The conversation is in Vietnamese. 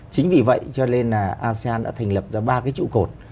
chính vì vậy cho nên là asean đã thành lập ra ba cái trụ cột